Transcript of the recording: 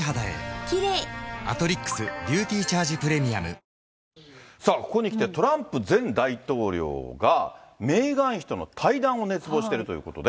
「ディアナチュラ」さあ、ここにきてトランプ前大統領が、メーガン妃との対談を熱望しているということで。